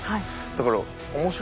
だから。